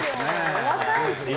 お若いし。